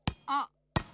あっ！